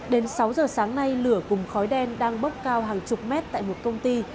đến sáu giờ sáng nay lửa cùng khói đen đang bốc cao hàng chục mét tại một công ty